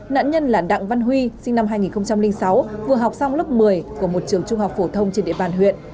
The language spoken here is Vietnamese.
nạn nhân là đặng văn huy sinh năm hai nghìn sáu vừa học xong lớp một mươi của một trường trung học phổ thông trên địa bàn huyện